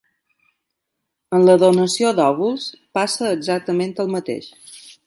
En la donació d’òvuls passa exactament el mateix.